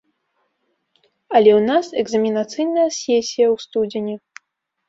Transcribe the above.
Але ў нас экзаменацыйная сесія ў студзені.